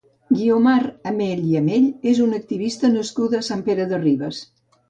Guiomar Amell i Amell és una activista nascuda a Sant Pere de Ribes.